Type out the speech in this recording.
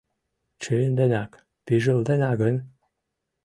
Чын денак пижылдена гын